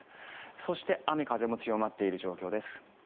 そして雨風も強まっている状況です。